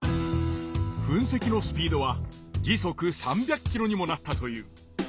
噴石のスピードは時速３００キロにもなったという。